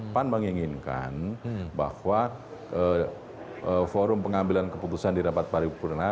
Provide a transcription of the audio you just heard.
pan menginginkan bahwa forum pengambilan keputusan di rapat paripurna